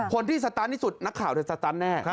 คนที่สตาร์ทที่สุดนักข่าวสตันแน่